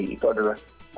itu adalah artikel